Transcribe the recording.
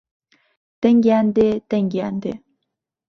دەنگیان دێ دەنگیان دێ